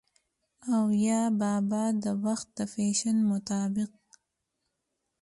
او يا بابا د وخت د فېشن مطابق